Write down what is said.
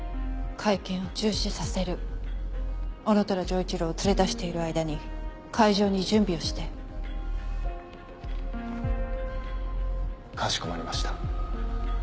会見を中止させる男虎丈一郎を連れ出している間に会場に準備をしてかしこまりました